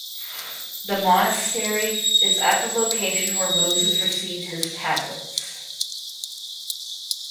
The monastery is at the location where Mosses received his tablets.